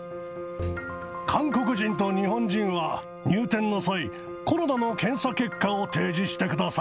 韓国人と日本人は入店の際、コロナの検査結果を提示してください。